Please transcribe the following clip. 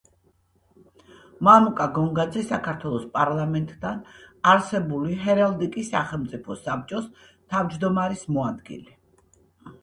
მამუკა გონგაძე საქართველოს პარლამენტთან არსებული ჰერალდიკის სახელმწიფო საბჭოს თავმჯდომარის მოადგილე.